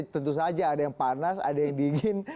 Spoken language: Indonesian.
tentu saja ada yang panas ada yang dingin